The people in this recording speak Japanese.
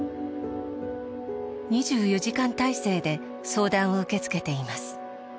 ２４時間体制で相談を受け付けています。